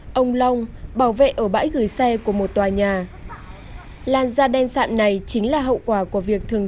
ừ ông long bảo vệ ở bãi gửi xe của một tòa nhà làn da đen sạm này chính là hậu quả của việc thường